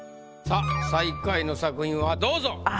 さあ最下位の作品はどうぞ。